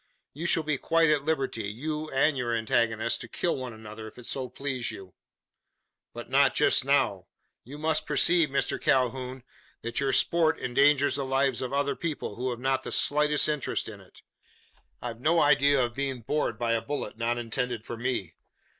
You shall be quite at liberty you and your antagonist to kill one another, if it so please you. But not just now. You must perceive, Mr Calhoun, that your sport endangers the lives of other people, who have not the slightest interest in it. I've no idea of being bored by a bullet not intended for me.